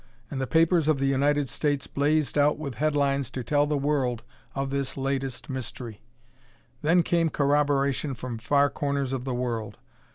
And the papers of the United States blazed out with headlines to tell the world of this latest mystery. Then came corroboration from the far corners of the world.